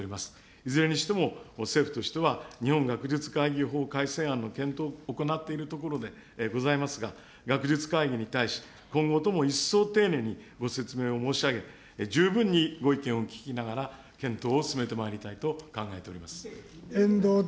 いずれにしても、政府としては日本学術会議法改正案の検討を行っているところでございますが、学術会議に対し、今後とも一層丁寧にご説明を申し上げ、十分にご意見を聞きながら、検討を進めてまいりたいと考えて遠藤敬